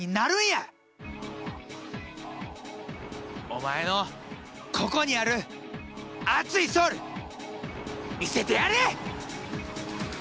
お前のここにある熱いソウル見せてやれ！